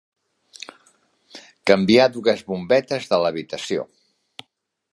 Canviar dues bombetes de l'habitació